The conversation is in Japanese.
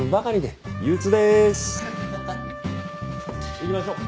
行きましょう。